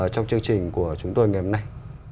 trong chương trình của chúng tôi ngày hôm nay